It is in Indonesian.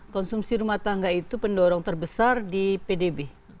konsumsi rumah tangga itu pendorong terbesar di pdb